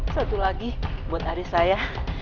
satu lagi buat adik saya